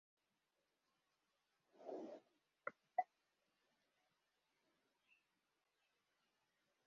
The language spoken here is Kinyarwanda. abagabo babiri bagerageza gufata bimaze gukubita umwe mubagabo imbere